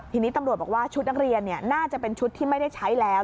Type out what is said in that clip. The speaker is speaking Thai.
ทีนี้ตำรวจบอกว่าชุดนักเรียนน่าจะเป็นชุดที่ไม่ได้ใช้แล้ว